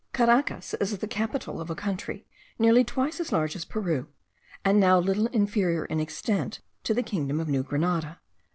Caracas is the capital of a country nearly twice as large as Peru, and now little inferior in extent to the kingdom of New Grenada.